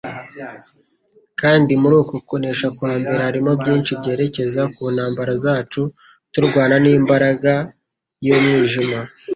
Kandi muri uku kunesha kwa mbere harimo byinshi byerekeza ku ntambara zacu turwana n'imbaraga y'umwijima.